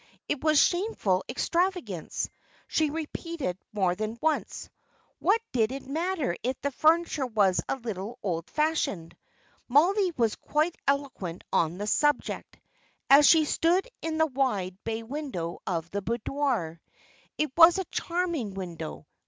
It was shameful extravagance, she repeated, more than once; what did it matter if the furniture was a little old fashioned? Mollie was quite eloquent on the subject, as she stood in the wide bay window of the boudoir. It was a charming window.